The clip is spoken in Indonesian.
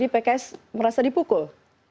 pks merasa dipukul